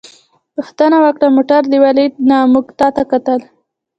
پوښتنه وکړه: موټر دې ولید؟ نه، موږ تا ته کتل.